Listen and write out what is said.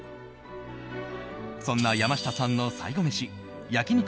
そんな山下さんの最後メシ焼肉